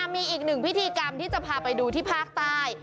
มีอีกหนึ่งพิธีกรรมที่จะพาไปดูที่ภาคใต้